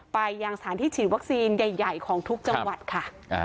ไปยังสถานที่ฉีดวัคซีนใหญ่ของทุกจังหวัดค่ะ